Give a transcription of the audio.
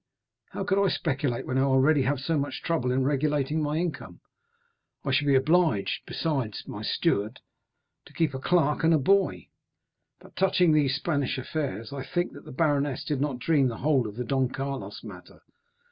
—How could I speculate when I already have so much trouble in regulating my income? I should be obliged, besides my steward, to keep a clerk and a boy. But touching these Spanish affairs, I think that the baroness did not dream the whole of the Don Carlos matter.